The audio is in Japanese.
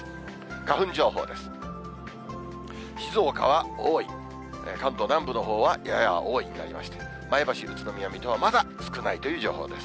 花粉情報です。